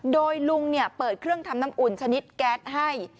โดยลุงเปิดเครื่องทำน้ำอุ่นชนิดแก๊สให้